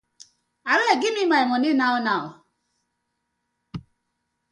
Abeg giv me my money now now.